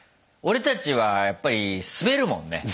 俺たちはやっぱりスベるもんね。